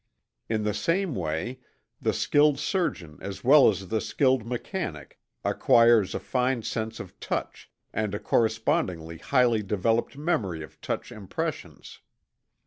In the same way the skilled surgeon as well as the skilled mechanic acquires a fine sense of touch and a correspondingly highly developed memory of touch impressions.